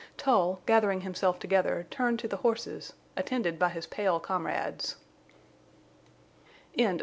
Tull, gathering himself together, turned to the horses, attended by his pale comrades. CHAPTER II.